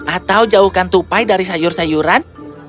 atau jauhkan tupai dari sayur sayuran